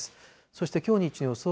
そしてきょう日中の予想